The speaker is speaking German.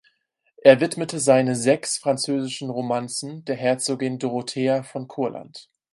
Er widmete seine "Sechs französischen Romanzen" der Herzogin Dorothea von Kurland.